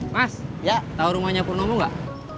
mas tau rumahnya pur nomo gak